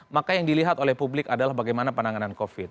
maka yang dilihat oleh publik adalah bagaimana penanganan covid